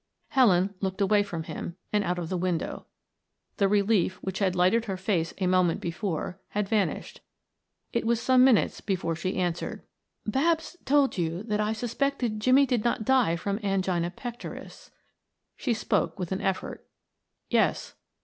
Helen looked away from him and out of the window. The relief, which had lighted her face a moment before, had vanished. It was some minutes before she answered. "Babs told you that I suspected Jimmie did not die from angina pectoris " She spoke with an effort. "Yes."